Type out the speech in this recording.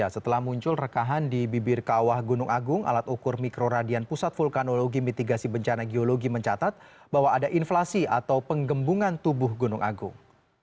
setelah muncul rekahan di bibir kawah gunung agung alat ukur mikroradian pusat vulkanologi mitigasi bencana geologi mencatat bahwa ada inflasi atau penggembungan tubuh gunung agung